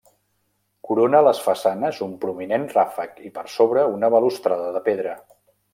Corona les façanes un prominent ràfec i per sobre una balustrada de pedra.